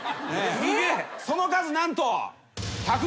その数何と。